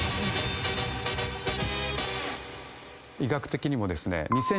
医学的にもですね。